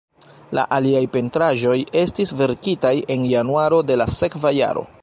La aliaj pentraĵoj estis verkitaj en januaro de la sekva jaro.